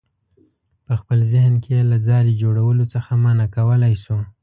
په خپل ذهن کې یې له ځالې جوړولو څخه منع کولی شو.